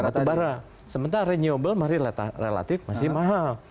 batubara sementara renewable masih mahal